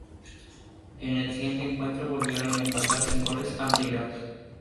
En el siguiente encuentro, volvieron a empatar sin goles, ante Irak.